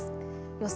予想